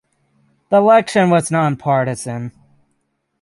The election was nonpartisan.